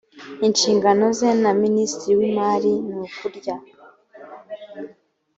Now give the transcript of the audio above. inshingano ze na minisitiri w imari nukurya